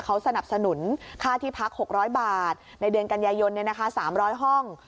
เขาสนับสนุนค่าที่พัก๖๐๐บาทในเดือนกันยายน๓๐๐ห้อง